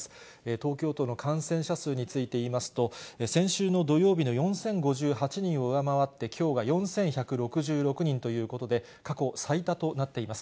東京都の感染者数について言いますと、先週の土曜日の４０５８人を上回って、きょうが４１６６人ということで、過去最多となっています。